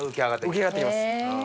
浮き上がってきます。